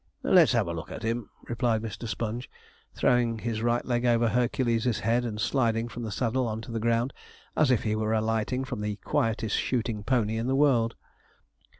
'Let's have a look at him,' replied Mr. Sponge, throwing his right leg over Hercules' head and sliding from the saddle on to the ground, as if he were alighting from the quietest shooting pony in the world.